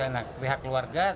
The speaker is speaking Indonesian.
nah pihak keluarga